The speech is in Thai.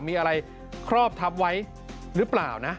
มีอะไรครอบทับไว้หรือเปล่านะ